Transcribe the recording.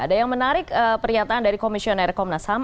ada yang menarik pernyataan dari komisioner komnas ham